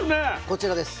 こちらです。